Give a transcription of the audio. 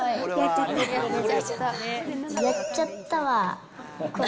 やっちゃったわ。